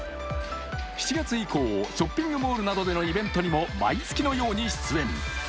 ７月以降、ショッピングモールでのイベントにも毎月のように出演。